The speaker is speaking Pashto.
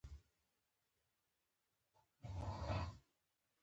کومه چې ستاسې پام بل لور ته له خبرو اړولی شي